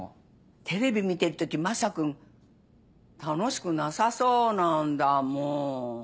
テレビ見てる時まさ君楽しくなさそうなんだもん。